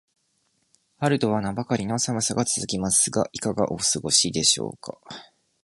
春とは名ばかりの寒さが続きますが、いかがお過ごしでしょうか。